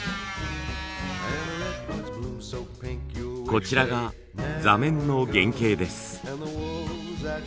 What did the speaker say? こちらが座面の原型です。